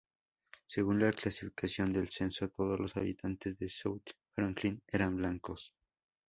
Según la clasificación del censo, todos los habitantes de South Franklin eran blancos.